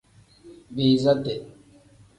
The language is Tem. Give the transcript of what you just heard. Biiza tee.